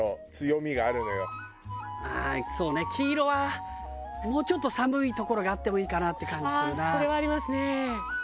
ああそうね黄色はもうちょっと寒い所があってもいいかなって感じするなあ。